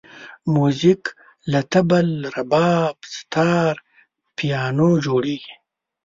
موزیک له طبل، رباب، ستار، پیانو جوړېږي.